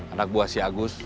anak buah si agus